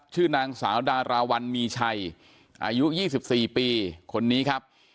ชื่อนางสาวดาราวันมีชัยอายุ๒๔ปีคนนี้ครับ